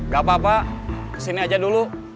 gak apa apa kesini aja dulu